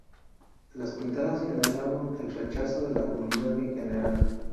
Las pintadas generaron el rechazo de la comunidad en general.